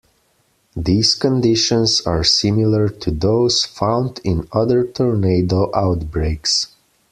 These conditions are similar to those found in other tornado outbreaks.